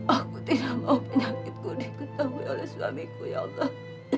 aku tidak mau penyakitku diketahui oleh suamiku ya allah